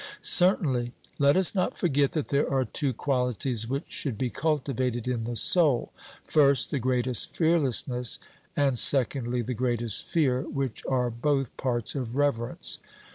'Certainly.' Let us not forget that there are two qualities which should be cultivated in the soul first, the greatest fearlessness, and, secondly, the greatest fear, which are both parts of reverence.